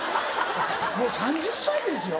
もう３０歳ですよ